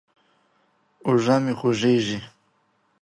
اوږه مې خوږېږي.